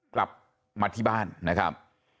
กลับมาที่บ้านนะครับ